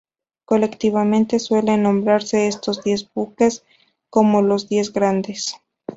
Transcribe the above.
Colectivamente suelen nombrarse estos diez buques como los 'diez grandes'.